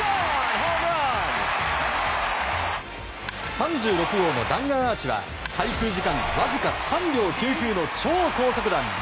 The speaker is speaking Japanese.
３６号の弾丸アーチは滞空時間わずか３秒９９の超高速弾。